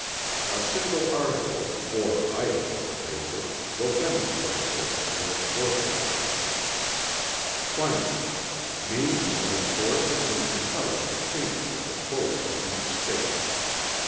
A single article, or item of the paper will demonstrate this and its worthlessness. "20. Means of enforcing and compelling the Payment of the Quota of each State."